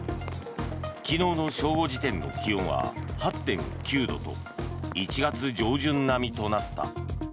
昨日の正午時点の気温は８．９度と１月上旬並みとなった。